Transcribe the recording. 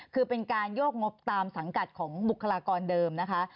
คือเป็นการโยกงบตามสังกัดของบุคลากรเดิมนะคะ